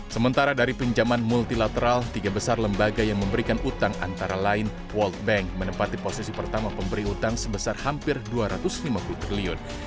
sementara dari pinjaman multilateral tiga besar lembaga yang memberikan utang antara lain world bank menempati posisi pertama pemberi utang sebesar hampir dua ratus lima puluh triliun